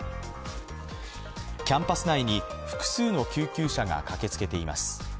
キャンパス内に複数の救急車が駆けつけています。